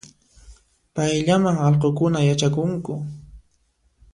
Payllaman allqunkuna yachakunku